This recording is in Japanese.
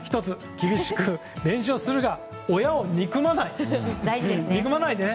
厳しく練習するが親を憎まないでね。